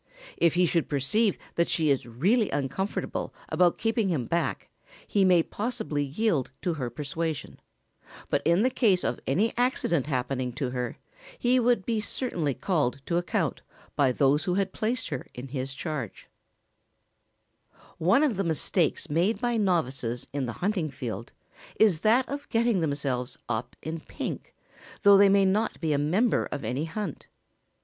] If he should perceive that she is really uncomfortable about keeping him back he may possibly yield to her persuasion, but in the case of any accident happening to her he would be certainly called to account by those who had placed her in his charge. [Sidenote: A common error.] One of the mistakes made by novices in the hunting field is that of getting themselves up in "pink," though they may not be a member of any hunt.